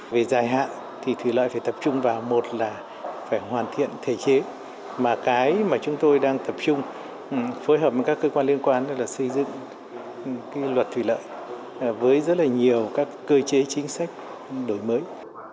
về dài hạn thì thủy lợi phải tập trung vào một là phải hoàn thiện thể chế mà cái mà chúng tôi đang tập trung phối hợp với các cơ quan liên quan là xây dựng luật thủy lợi với rất là nhiều các cơ chế chính sách đổi mới